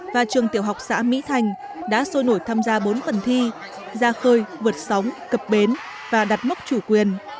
và trường tiểu học xã mỹ thành đã sôi nổi tham gia bốn phần thi ra khơi vượt sóng cập bến và đặt mốc chủ quyền